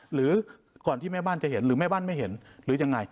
หรือก่อนที่แม่บ้านจะเห็นหรือแม่บ้านไม่เห็นหรือยังไง